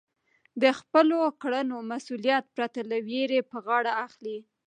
د خپلو کړنو مسؤلیت پرته له وېرې په غاړه اخلئ.